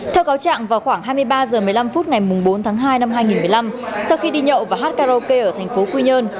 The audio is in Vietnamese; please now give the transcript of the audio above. theo cáo trạng vào khoảng hai mươi ba h một mươi năm phút ngày bốn tháng hai năm hai nghìn một mươi năm sau khi đi nhậu và hát karaoke ở thành phố quy nhơn